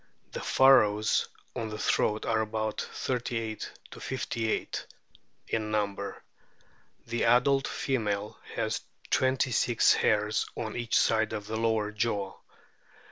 The furrows on the throat are about 38 58 in number. The adult female has twenty six hairs on each side of the lower jaw.